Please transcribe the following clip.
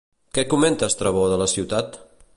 Què comenta Estrabó de la ciutat?